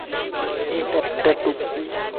এটা একটা টুপি।